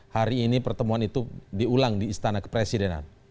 hari ini pertemuan itu diulang di istana kepresidenan